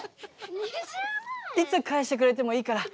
いつ返してくれてもいいから。